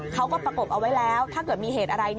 ประกบเอาไว้แล้วถ้าเกิดมีเหตุอะไร